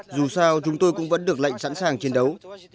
dù sao chúng tôi cũng vẫn được lệnh sẵn sàng chiến đấu